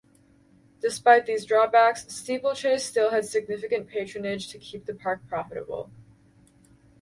Despite these drawbacks, Steeplechase still had significant patronage to keep the park profitable.